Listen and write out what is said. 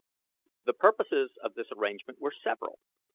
The purposes of this arrangement were several.